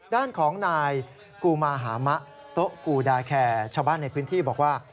ด้านของนายกูมาหามะโต๊ะกูดาแคร์ชาวบ้านในพื้นที่บอกว่า